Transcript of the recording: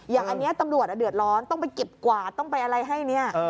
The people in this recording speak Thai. อย่างอันนี้ตำรวจเดือดร้อนต้องไปเก็บกวาดต้องไปอะไรให้เนี่ย